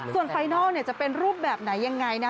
ส่วนไฟนัลจะเป็นรูปแบบไหนยังไงนะ